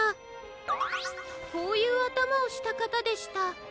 こういうあたまをしたかたでした。